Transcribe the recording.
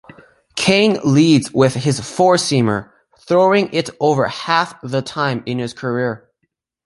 Cain leads with his four-seamer, throwing it over half the time in his career.